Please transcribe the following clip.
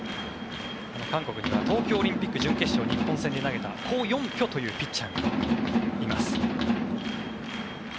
韓国には東京オリンピック準決勝日本戦で投げたコ・ヨンピョというピッチャーがいます。